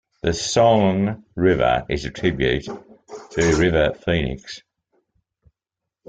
The song "River" is a tribute to River Phoenix.